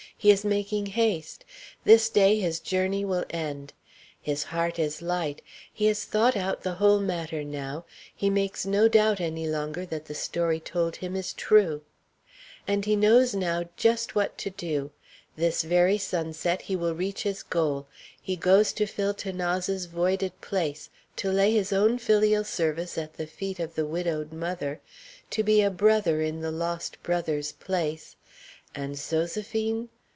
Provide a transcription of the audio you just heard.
He is making haste. This day his journey will end. His heart is light; he has thought out the whole matter now; he makes no doubt any longer that the story told him is true. And he knows now just what to do: this very sunset he will reach his goal; he goes to fill 'Thanase's voided place; to lay his own filial service at the feet of the widowed mother; to be a brother in the lost brother's place; and Zoséphine?